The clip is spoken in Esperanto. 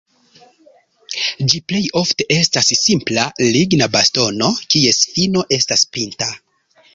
Ĝi plej ofte estas simpla ligna bastono, kies fino estas pinta.